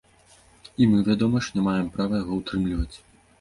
І мы, вядома ж, не маем права яго ўтрымліваць.